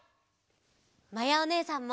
まやおねえさんも！